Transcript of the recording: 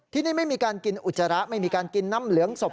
ที่นี่ไม่มีการกินอุจจาระไม่มีการกินน้ำเหลืองศพ